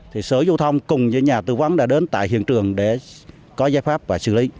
thì sở giao thông cùng với nhà tư vấn đã đến tại hiện trường để có giải pháp và xử lý